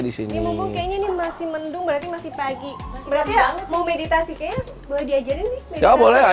disini ini masih mendung berarti masih pagi berarti mau meditasi kayaknya boleh diajarin